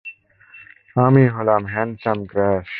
আমি হলাম handsome crash.